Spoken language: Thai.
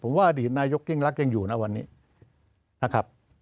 ผมว่าอดีตนายกยิ่งรักยังอยู่นะวันนี้นะครับ